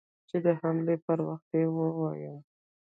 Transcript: چې د حملې پر وخت يې ووايم.